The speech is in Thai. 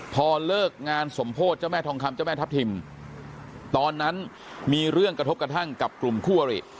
พอเลิกงานสมโพธิเจ้าแม่ทองคำเจ้าแม่ทัพทิมตอนนั้นมีเรื่องกระทบกระทั่งกับกลุ่มคู่อริ